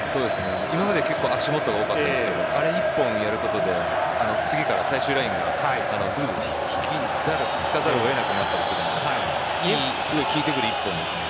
今まで結構足元が多かったんですがあれ一本やることで次から最終ラインがずるずる引かざるを得なくなったりするのですごい効いてくる一本ですね。